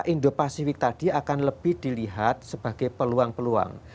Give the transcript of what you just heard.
indo pasifik tadi akan lebih dilihat sebagai peluang peluang